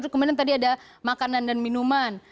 kemudian tadi ada makanan dan minuman